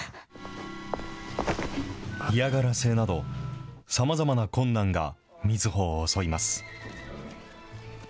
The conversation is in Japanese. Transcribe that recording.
嫌がらせなど、さまざまな困難が瑞穂を襲います。